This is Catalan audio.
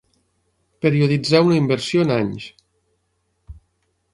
Perioditzar una inversió en anys.